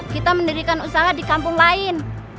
kita mendirikan usaha di kampung lain